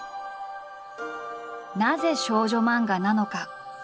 なぜ少女漫画なのか？